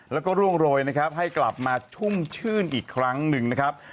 แล้วก็ร่วงโรยนะครับให้กลับมาชุ่มชื่นอีกครั้งหนึ่งนะครับ